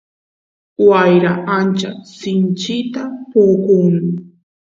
wayra ancha sinchita pukun